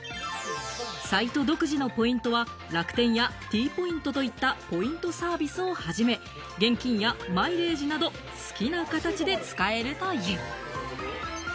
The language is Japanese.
サイト独自のポイントは楽天やＴポイントといったポイントサービスをはじめ、現金やマイレージなど、好きな形で使えるという。